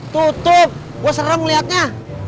tutup gue serem ngeliatnya